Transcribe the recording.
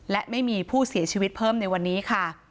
และไม่มีผู้เสียชีวิตเพิ่มในวันนี้ค่ะ